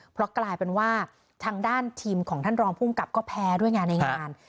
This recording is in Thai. เพราะกลายเป็นว่าทางด้านทีมของท่านรองภูมิกับก็แพ้ด้วยไงในงาน